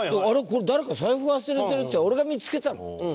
これ誰か財布忘れてるって俺が見付けたの。